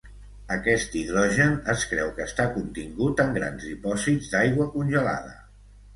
Aquest hidrogen es creu que està contingut en grans dipòsits d'aigua congelada.